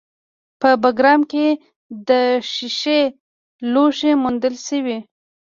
په بګرام کې د ښیښې لوښي موندل شوي